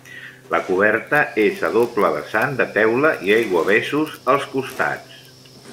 La coberta és a doble vessant, de teula i aiguavessos als costats.